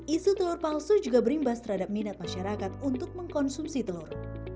isu telur palsu juga berimbas terhadap minat masyarakat untuk mengkonsumsi telur